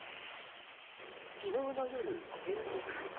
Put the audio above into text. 昨日の夜１０時半。